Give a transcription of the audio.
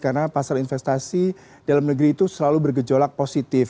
karena pasar investasi dalam negeri itu selalu bergejolak positif